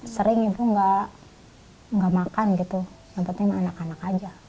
sering ibu nggak makan gitu nggak penting sama anak anak aja